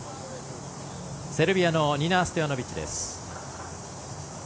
セルビアのニナ・ストヤノビッチです。